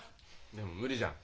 でも無理じゃん。